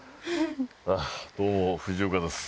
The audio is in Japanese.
どうも藤岡です。